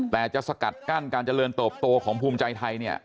แต่จะสกัดกั้นการเจริญเติบโตของภูมิใจไทยเนี่ย